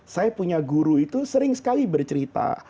saya punya guru itu sering sekali bercerita